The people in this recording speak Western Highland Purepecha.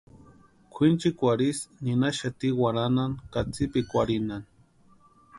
Kwʼinchikwarhu isï ninhaxati warhanhani ka tsipikwarhinhani.